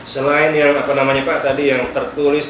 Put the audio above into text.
selain yang apa namanya pak tadi yang tertulis